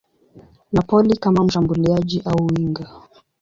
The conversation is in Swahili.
Napoli kama mshambuliaji au winga.